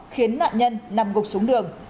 khiến nạn nhân nằm gục xuống đường